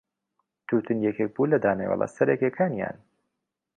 تووتن یەکێک بوو لە دانەوێڵە سەرەکییەکانیان.